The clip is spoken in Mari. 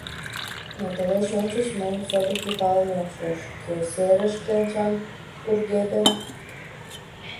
Но тылеч ончыч мыйын содыки палымем шуэш: кӧ серыш кленчам пургедын?